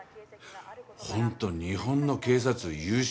ホント日本の警察優秀！